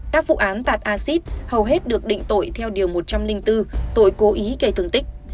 các vụ án tạt acid hầu hết được định tội theo điều một trăm linh bốn tội cố ý gây thương tích